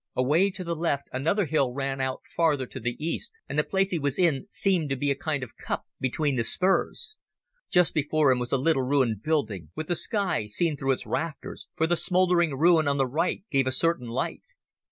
Away to the left another hill ran out farther to the east, and the place he was in seemed to be a kind of cup between the spurs. Just before him was a little ruined building, with the sky seen through its rafters, for the smouldering ruin on the right gave a certain light.